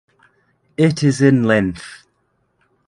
It is in length.